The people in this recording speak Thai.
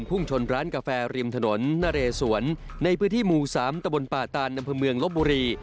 พุ่งชนร้านกาแฟริมถนนนะเรสวนในพื้นที่หมู่๓ตะบนป่าตานอำเภอเมืองลบบุรี